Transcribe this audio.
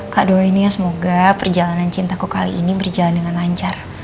kak doa ini ya semoga perjalanan cintaku kali ini berjalan dengan lancar